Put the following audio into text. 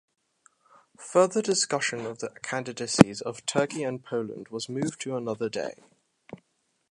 Further discussion of the candidacies of Turkey and Poland was moved to another day.